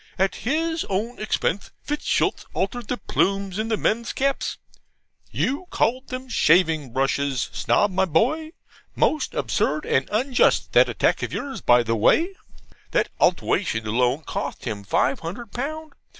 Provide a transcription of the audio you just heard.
At his own expense Fitzstultz altered the plumes in the men's caps (you called them shaving brushes, Snob, my boy: most absurd and unjust that attack of yours, by the way); that altewation alone cotht him five hundred pound.